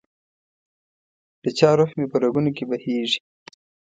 دچا روح مي په رګونو کي بهیږي